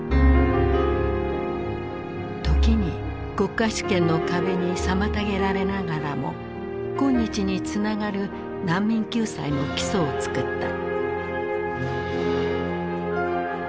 時に国家主権の壁に妨げられながらも今日につながる難民救済の基礎を作った。